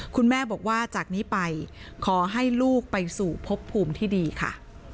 คุณแม่บอกว่าจากนี้ไปขอให้ลูกไปสู่พบภูมิที่ดีค่ะ